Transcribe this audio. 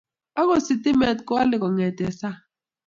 akot sitimet keole kongete sang